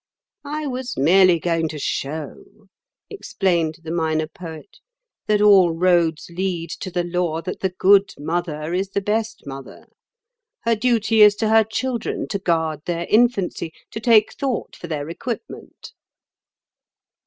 "I was merely going to show," explained the Minor Poet, "that all roads lead to the law that the good mother is the best mother. Her duty is to her children, to guard their infancy, to take thought for their equipment."